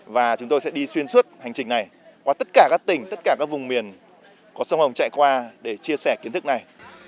và chúng tôi sẽ đi xuyên suốt hành trình này qua tất cả các tỉnh tất cả các vùng miền của sông hồng chạy qua để chia sẻ kiến thức này